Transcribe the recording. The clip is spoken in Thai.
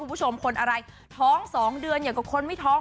คุณผู้ชมคนอะไรท้อง๒เดือนอย่างกับคนไม่ท้อง